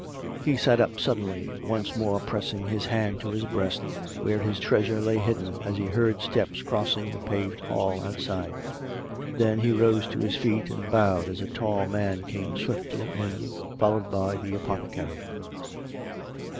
... He sat up suddenly, once more pressing his hand to his breast , where his Treasure lay hidden, as he heard steps crossing the paved hall outside. Then he rose to his feet and bowed as a tall man came swiftly in, followed by the apothecary.